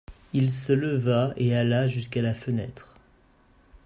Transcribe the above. Il se leva et alla jusqu’à la fenêtre.